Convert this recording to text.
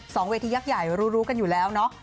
สองเวทียักษ์ใหญ่รู้กันอยู่แล้วเนอะ